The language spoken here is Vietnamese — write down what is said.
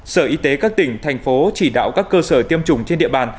sở y tế các tỉnh thành phố chỉ đạo các cơ sở tiêm chủng trên địa bàn